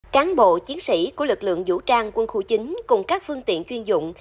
cán bộ chiến sĩ của lực lượng vũ trang quân khu chín cùng các phương tiện chuyên dụng